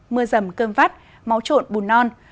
mưa rầm cơm vắt máu trộn bùn non